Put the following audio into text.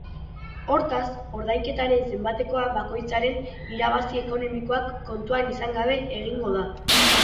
Hortaz, ordainketaren zenbatekoa bakoitzaren irabazi ekonomikoak kontuan izan gabe egingo da.